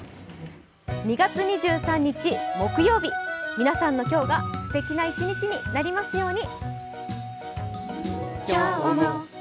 ２月２３日木曜日、皆さんの今日がすてきな一日になりますように。